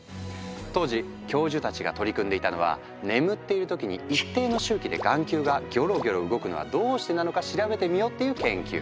当時教授たちが取り組んでいたのは「眠っているときに一定の周期で眼球がギョロギョロ動くのはどうしてなのか調べてみよう」っていう研究。